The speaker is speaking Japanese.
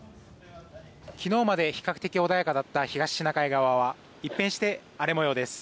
昨日まで比較的穏やかだった東シナ海側は一変して荒れ模様です。